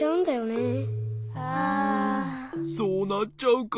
そうなっちゃうか。